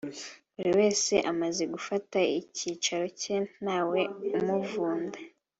Buri wese amaze gufata icyicaro cye ntawe umuvunda